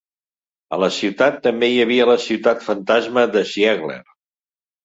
A la ciutat també hi havia la ciutat fantasma de Ziegler.